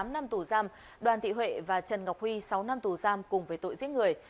tám năm tù giam đoàn thị huệ và trần ngọc huy sáu năm tù giam cùng với tội giết người